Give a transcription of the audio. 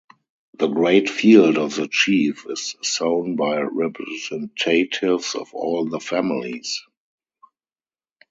The great field of the chief is sown by representatives of all the families.